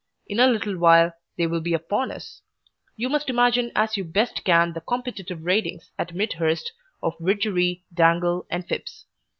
In a little while they will be upon us. You must imagine as you best can the competitive raidings at Midhurst of Widgery, Dangle, and Phipps.